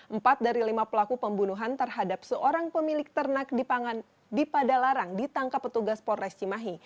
empat dari lima pelaku pembunuhan terhadap seorang pemilik ternak di padalarang ditangkap petugas polres cimahi